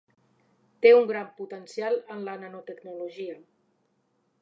Té un gran potencial en la nanotecnologia.